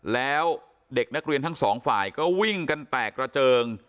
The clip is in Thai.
แล้วเด็กนักเรียนทั้งสองฝ่ายก็วิ่งกันแตกระเจิง